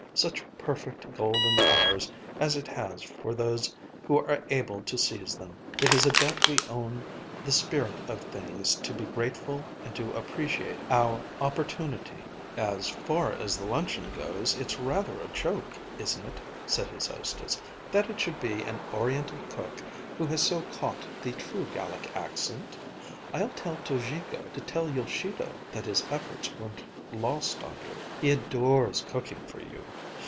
Such perfect, golden hours as it has for those who are able to seize them. It is a debt we own the Spirit of Things to be grateful and to appreciate our opportunity." "As far as the luncheon goes, it's rather a joke, isn't it," said his hostess, "that it should be an Oriental cook who has so caught the true Gallic accent? I'll tell Tojiko to tell Yoshido that his efforts weren't lost on you. He adores cooking for you.